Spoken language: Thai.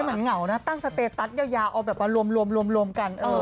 เหมือนเหงานะตั้งสเตตัสยาวเอามารวมกัน